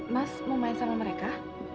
mas mau main sama mereka